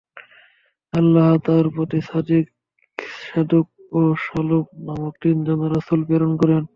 আল্লাহ তার প্রতি সাদিক, সাদূক ও শালুম নামক তিনজন রাসূল প্রেরণ করেন।